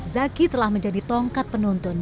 zaki telah menjadi tongkat penonton